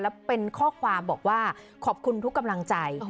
แล้วเป็นข้อความบอกว่าขอบคุณทุกกำลังใจ